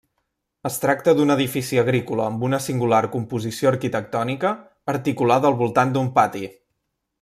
Es tracta d'un edifici agrícola amb una singular composició arquitectònica articulada al voltant d'un pati.